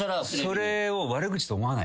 それを。